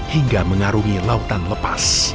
hingga mengarungi lautan lepas